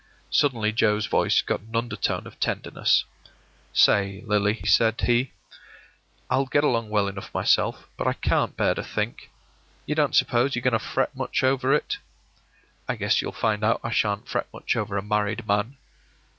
” Suddenly Joe's voice got an undertone of tenderness. “Say, Lily,” said he, “I'll get along well enough myself, but I can't bear to think — You don't suppose you're going to fret much over it?” “I guess you'll find out I sha'n't fret much over a married man.